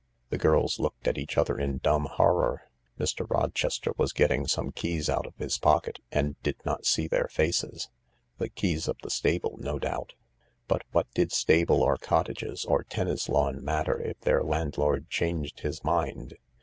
The girls looked at each other in dumb horror. Mr. Rochester was getting some keys out of his pocket, and did not see their faces. The keys of the stable, no doubt. But what did stable or cottages or tennis lawn matter if their landlord changed his mind